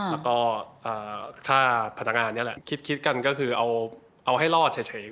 แล้วก็ถ้าพนักงานนี่แหละคิดกันก็คือเอาให้รอดเฉย